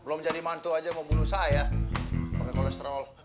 belum jadi mantu aja mau bunuh saya pakai kolesterol